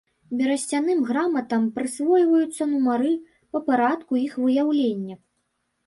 Берасцяным граматам прысвойваюцца нумары па парадку іх выяўлення.